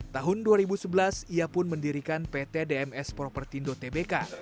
tahun dua ribu sebelas ia pun mendirikan pt dms propertindo tbk